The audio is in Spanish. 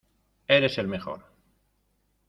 ¡Eres el mejor!